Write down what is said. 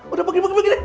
udah pagi pagi deh